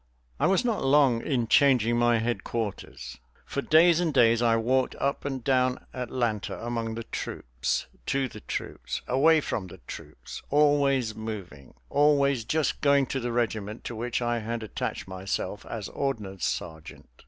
I was not long in changing my headquarters. For days and days I walked up and down Atlanta among the troops, to the troops, away from the troops, always moving, always just going to the regiment, to which I had attached myself as ordnance sergeant.